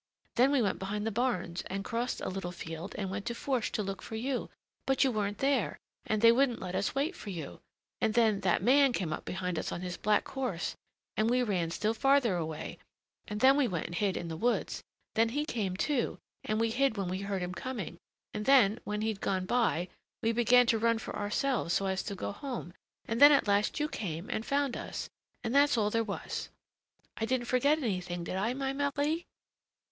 Then we went behind the barns and crossed a little field and went to Fourche to look for you. But you weren't there, and they wouldn't let us wait for you. And then that man came up behind us on his black horse, and we ran still farther away, and then we went and hid in the woods. Then he came, too, and we hid when we heard him coming. And then, when he'd gone by, we began to run for ourselves so as to go home; and then at last you came and found us; and that's all there was. I didn't forget anything, did I, my Marie?"